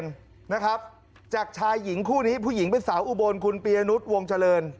นะครับจากชายหญิงคู่นี้ผู้หญิงเป็นสาวอุบลคุณปียนุษย์วงเจริญ